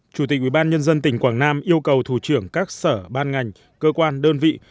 chủ tịch ubnd tỉnh quảng nam yêu cầu thủ trưởng các sở ban ngành cơ quan đơn vị